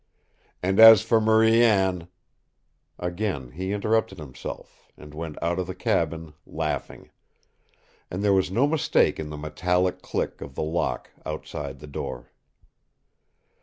And as for Marie Anne " Again he interrupted himself, and went out of the cabin, laughing. And there was no mistake in the metallic click of the lock outside the door.